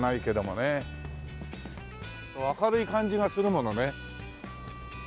明るい感じがするものね。